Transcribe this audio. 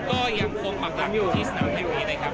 ก็ยังคงมักลักทิศน้ำอยู่นี้นะครับ